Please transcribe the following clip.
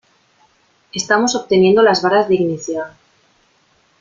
Estamos obteniendo las varas de ignición.